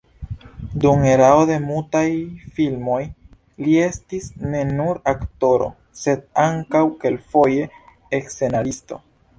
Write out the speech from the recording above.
Dum erao de mutaj filmoj li estis ne nur aktoro, sed ankaŭ kelkfoje scenaristo.